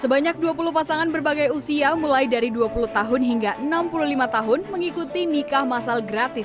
sebanyak dua puluh pasangan berbagai usia mulai dari dua puluh tahun hingga enam puluh lima tahun mengikuti nikah masal gratis